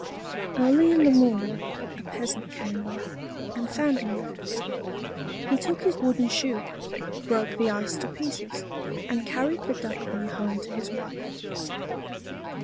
Early in the morning a peasant came by, and found him there; he took his wooden shoe, broke the ice to pieces, and carried the Duckling home to his wife.